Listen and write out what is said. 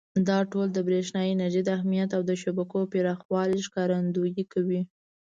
دا ټول د برېښنا انرژۍ د اهمیت او د شبکو پراخوالي ښکارندویي کوي.